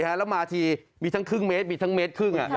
แล้วมาทีมีทั้งครึ่งเมตรมีทั้งเมตรครึ่ง